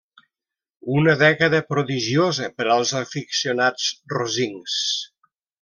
Una dècada prodigiosa per als aficionats rosincs.